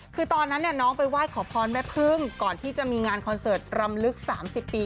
คือตอนนั้นน้องไปไหว้ขอพรแม่พึ่งก่อนที่จะมีงานคอนเสิร์ตรำลึก๓๐ปี